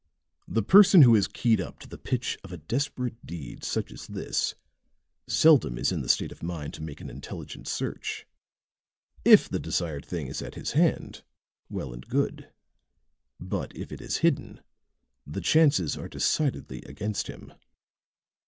The person who is keyed up to the pitch of a desperate deed such as this seldom is in the state of mind to make an intelligent search. If the desired thing is at his hand, well and good, but if it is hidden the chances are decidedly against him.